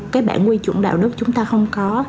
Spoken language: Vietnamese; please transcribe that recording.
cái bản quy chuẩn đạo đức chúng ta không có